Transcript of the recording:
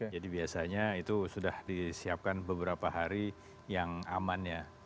jadi biasanya itu sudah disiapkan beberapa hari yang aman ya